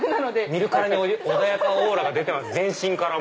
見るからに穏やかオーラ出てます全身から。